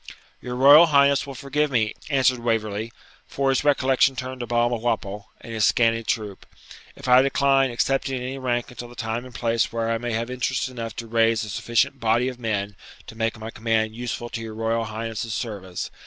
'Your Royal Highness will forgive me,' answered Waverley (for his recollection turned to Balmawhapple and his scanty troop), 'if I decline accepting any rank until the time and place where I may have interest enough to raise a sufficient body of men to make my command useful to your Royal Highness's service.